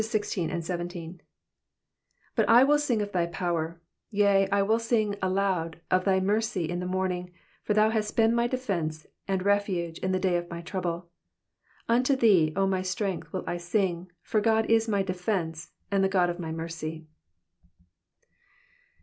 i6 But I will sing of thy power ; yea, I will sing aloud of thy mercy in the morning : for thou hast been my defence and refuge in the day of my trouble. 17 Unto thee, O my strength, will I sing : for God is my defence, a?id the God of my mercy.